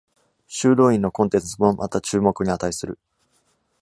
修道院のコンテンツもまた注目に値する。